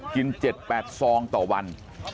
๗๘ซองต่อวัน